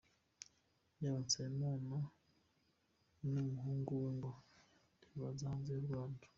Yaba Nsabimana n’umuhungu we ngo ntibaza hanze y’u Rwanda.